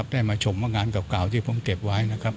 ได้มาชมว่างานเก่าที่ผมเก็บไว้